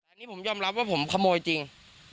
อันนี้ผมยอมรับว่าผมขโมยจริง